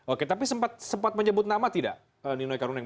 oke tapi sempat menyebut nama tidak ninoi karundeng